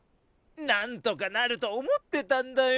なんとかなると思ってたんだよ。